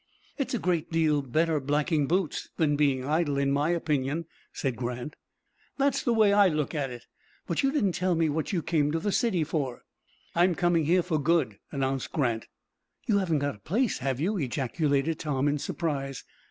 "It's a great deal better blacking boots than being idle, in my opinion," said Grant. "That's the way I look at it. But you didn't tell me what you came to the city for?" "I'm coming here for good," announced Grant. "You haven't got a place, have you?" ejaculated Tom, in surprise.